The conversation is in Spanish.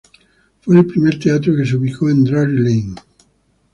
Fue el primer teatro que se ubicó en Drury Lane.